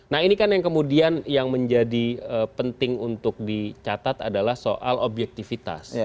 nah ini kan yang kemudian yang menjadi penting untuk dicatat adalah soal objektivitas